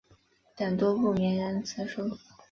等多部名人辞书。